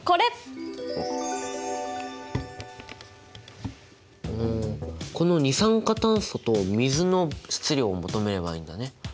おこの二酸化炭素と水の質量を求めればいいんだね。